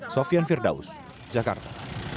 sofian firdaus jakarta